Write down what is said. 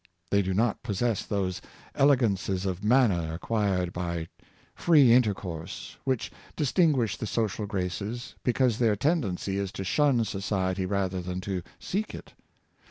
They do not possess those elegances of manner acquired by tree intercourse, w^hich distinguish the social races, because their tendency is to shun society rather than to seek it.